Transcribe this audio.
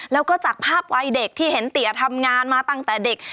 แล้วก็จากภาพวัยเด็กที่เห็นเตี๋ยทำงานมาตั้งแต่เด็ก